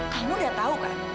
kamu udah tahu kan